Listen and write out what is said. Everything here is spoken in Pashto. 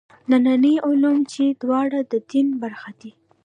ننني علوم چې دواړه د دین برخه دي.